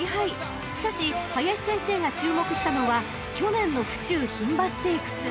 ［しかし林先生が注目したのは去年の府中牝馬ステークス］